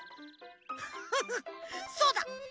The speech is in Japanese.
フフッそうだ！